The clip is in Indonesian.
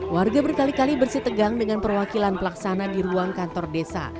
warga berkali kali bersih tegang dengan perwakilan pelaksana di ruang kantor desa